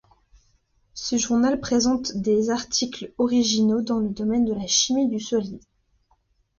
Ce journal présente des articles originaux dans le domaine de la chimie du solide.